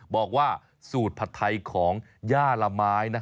บอกว่าสูตรผัดไทยของย่าละไม้